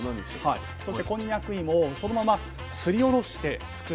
そしてこんにゃく芋をそのまますりおろして作る。